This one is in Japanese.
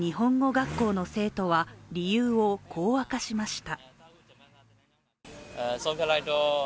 学校の生徒は理由をこう明かしました。